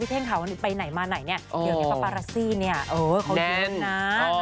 พี่เพ่งขอวันนี้ไปไหนมาไหนเนี่ยเดี๋ยวแม้ปราปราซีเนี่ยเขายืนนะ